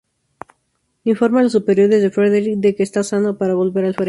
Informa a los superiores de Frederick de que está sano para volver al frente.